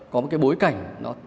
có một cái bối cảnh